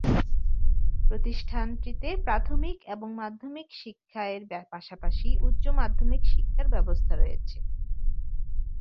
প্রতিষ্ঠানটিতে প্রাথমিক এবং মাধ্যমিক শিক্ষা এর পাশাপাশি উচ্চ মাধ্যমিক শিক্ষার ব্যবস্থা রয়েছে।